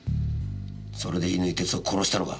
それで乾哲夫を殺したのか？